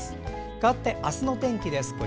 かわって、明日の天気です。